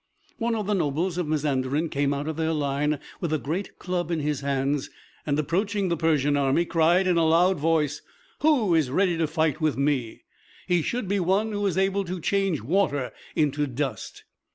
One of the nobles of Mazanderan came out of their line, with a great club in his hands, and approaching the Persian army, cried in a loud voice, "Who is ready to fight with me? He should be one who is able to change water into dust."